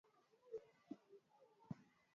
Pande zote za suala bila mapendeleo ya upande wowote